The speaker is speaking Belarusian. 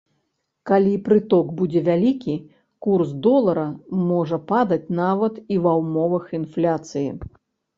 Калі прыток будзе вялікі, курс долара можа падаць нават і ва ўмовах інфляцыі.